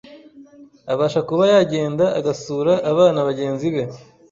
abasha kuba yagenda agasura abana bagenzi be,